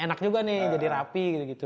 enak juga nih jadi rapi gitu gitu